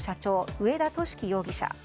上田敏樹容疑者。